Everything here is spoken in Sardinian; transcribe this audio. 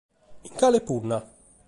Cun cale punna?